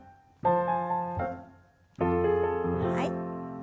はい。